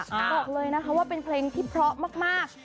บอกเลยนะคะว่าเป็นเพลงที่เพราะมาก